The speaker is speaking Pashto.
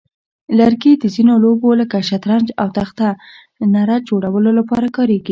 لرګي د ځینو لوبو لکه شطرنج او تخته نرد جوړولو لپاره کارېږي.